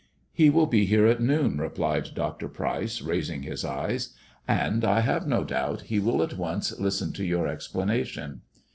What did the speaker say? " He will be here at noon," replied Dr. Pryce, raising his eyes ;and, I have no doubt, he will at once listen to your explanation."